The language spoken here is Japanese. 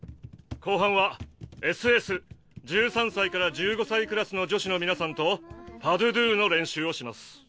後半はＳＳ１３歳から１５歳クラスの女子の皆さんとパ・ド・ドゥの練習をします。